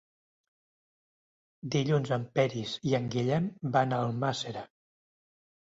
Dilluns en Peris i en Guillem van a Almàssera.